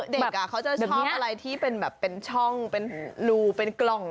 เด็กเขาจะชอบอะไรที่เป็นแบบเป็นช่องเป็นรูเป็นกล่อง